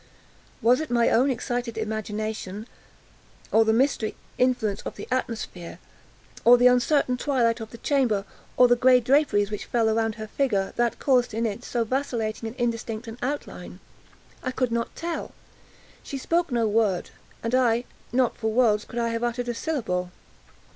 Was it my own excited imagination—or the misty influence of the atmosphere—or the uncertain twilight of the chamber—or the gray draperies which fell around her figure—that caused in it so vacillating and indistinct an outline? I could not tell. She spoke no word; and I—not for worlds could I have uttered a syllable.